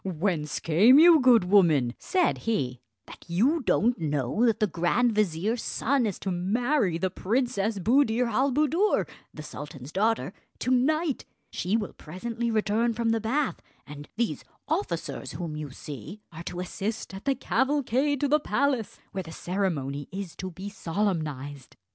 "Whence came you, good woman," said he, "that you don't know that the grand vizier's son is to marry the Princess Buddir al Buddoor, the sultan's daughter, to night? She will presently return from the bath; and these officers whom you see are to assist at the cavalcade to the palace, where the ceremony is to be solemnised."